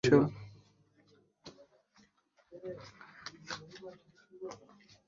তুমি জীবনকে কীভাবে নেবে, সেটাই আসল।